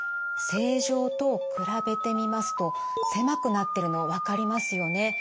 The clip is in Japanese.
正常と比べてみますと狭くなってるの分かりますよね？